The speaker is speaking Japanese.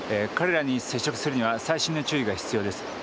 彼らに接触するには細心の注意が必要です。